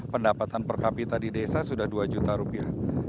pendapatan per kapita di desa sudah dua juta rupiah